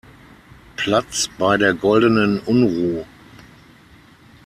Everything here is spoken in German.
Platz bei der Goldenen Unruh